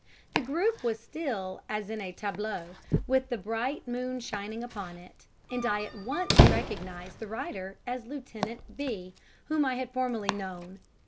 The group was still as in a tableau, with the bright moon shining upon it, and I at once recognized the rider as Lieutenant B., whom I had formerly known.